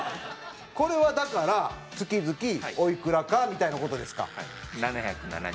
これはだから月々おいくらかみたいな事ですか？